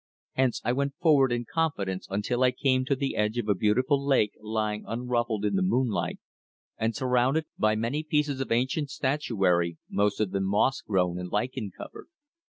Hence, I went forward in confidence until I came to the edge of a beautiful lake lying unruffled in the moonlight, and surrounded by many pieces of ancient statuary, most of them moss grown and lichen covered.